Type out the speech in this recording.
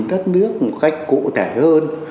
đất nước một cách cụ thể hơn